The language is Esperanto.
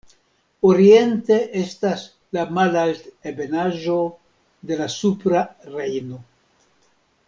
Oriente estas la malaltebenaĵo de la supra Rejno.